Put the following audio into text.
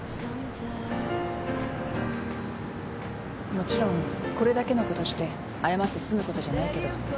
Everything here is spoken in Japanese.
もちろんこれだけのことして謝って済むことじゃないけど。